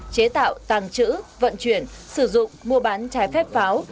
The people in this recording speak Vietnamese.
chế tạo tàng trữ vận chuyển sử dụng mua bán trái phép pháo